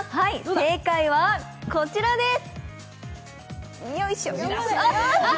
正解は、こちらです。